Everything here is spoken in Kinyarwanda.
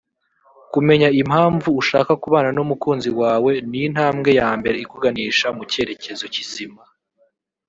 Kumenya impamvu ushaka kubana n’umukunzi wawe n’intambwe ya mbere ikuganisha mu cyerekezo kizima